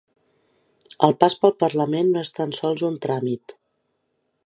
El pas pel parlament no és tan sols un tràmit.